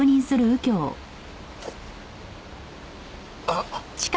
あっ。